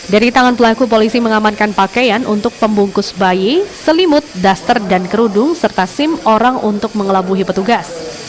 dari tangan pelaku polisi mengamankan pakaian untuk pembungkus bayi selimut duster dan kerudung serta sim orang untuk mengelabuhi petugas